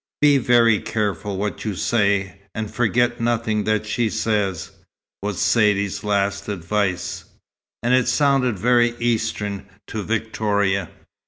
"Be very careful what you say, and forget nothing that she says," was Saidee's last advice. And it sounded very Eastern to Victoria.